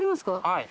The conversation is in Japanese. はい。